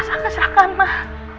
mas aku keserakan mas